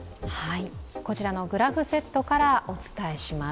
こちらのグラフセットからお伝えします。